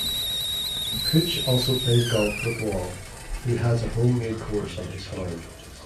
Cooch also plays golf with Wal, who has a homemade course on his farm.